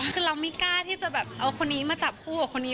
คือเราไม่กล้าที่จะแบบเอาคนนี้มาจับคู่กับคนนี้